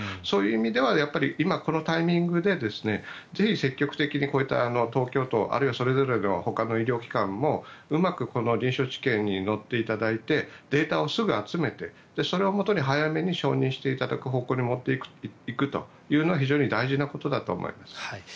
そういう意味では今のこのタイミングでぜひ積極的に東京都あるいはそれぞれの医療機関もうまく臨床治験に乗っていただいてデータをすぐに集めてそれをもとに早めに承認していただく方向に持っていくのは非常に大事なことだと思います。